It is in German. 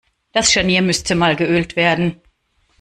Das Scharnier müsste mal geölt werden.